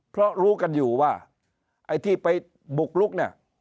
เพราะรู้กันอยู่ว่าไอ้ที่ไปบุกลุกเนี่ย